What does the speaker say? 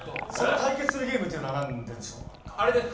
対決するゲームというのは何でしょうか？